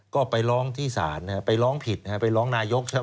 ก็ไปร้องที่ศาลไปร้องผิดนะฮะไปร้องนายกใช่ไหม